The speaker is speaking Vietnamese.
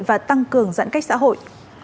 và tăng cường giãn cách xã hội